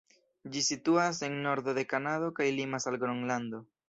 Ĝi situas en nordo de Kanado kaj limas al Gronlando.